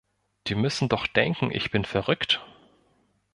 Die müssen doch denken ich bin verrückt.